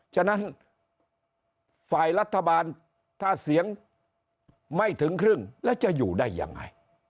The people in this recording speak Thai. ฉะนั้นฝ่ายรัฐบาลถ้าเสียงไม่ถึงครึ่งแล้วจะอยู่ได้ยังไง